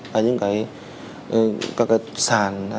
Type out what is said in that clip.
và những trang thông tin nguyện tử